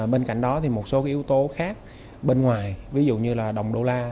bên cạnh đó thì một số yếu tố khác bên ngoài ví dụ như là đồng đô la